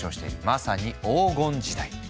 まさに黄金時代！